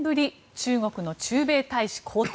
中国の駐米大使交代。